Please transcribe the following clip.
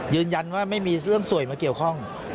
ยืนยันว่าไม่มีเรื่องสวยมาเกี่ยวข้อง